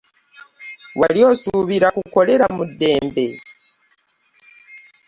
Wali osuubira kukolera mu ddembe?